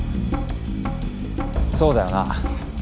そうだよな！